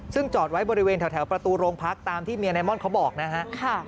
ซึ่งจอดไว้บริเวณแถวประตูโรงพักตามที่เมียนายม่อนเขาบอกนะฮะ